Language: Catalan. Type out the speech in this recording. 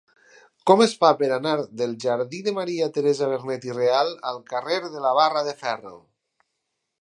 Com es fa per anar del jardí de Maria Teresa Vernet i Real al carrer de la Barra de Ferro?